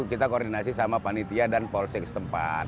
kita koordinasi sama panitia dan polsek setempat